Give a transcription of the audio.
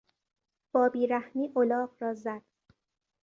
با بیرحمی الاغ را زد.